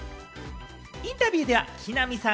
インタビューでは木南さん